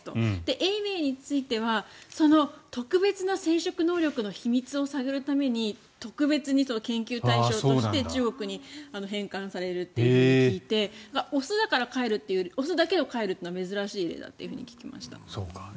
永明については特別な生殖能力の秘密を探るために特別に研究対象として中国に返還されるって聞いて雄だから帰るっていうより雄だけを返すって珍しい例だと聞きました。